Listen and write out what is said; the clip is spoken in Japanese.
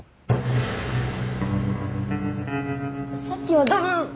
さっきはど。